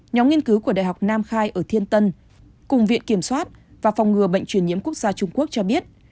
nhóm nghiên cứu của đại học nam khai ở thiên tân cùng viện kiểm soát và phòng ngừa bệnh truyền nhiễm quốc gia trung quốc cho biết